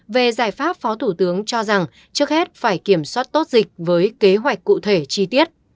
về giải pháp phó thủ tướng cho rằng trước hết phải kiểm soát tốt dịch với kế hoạch cụ thể chi tiết